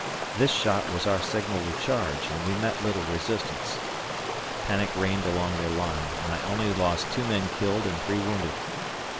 This shot was our signal to charge, and we met little resistance. Panic reigned along their line, and I only lost two men killed and three wounded.